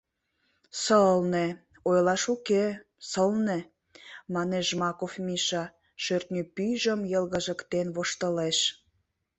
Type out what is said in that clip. — Сылне, ойлаш уке, сылне, — манеш Жмаков Миша, шӧртньӧ пӱйжым йылгыжыктен воштылеш.